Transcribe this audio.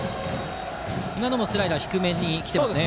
今のもスライダーが低めに来ていますね。